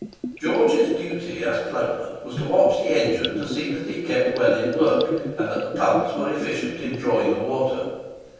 George's duty as plugman was to watch the engine, to see that it kept well in work, and that the pumps were efficient in drawing the water.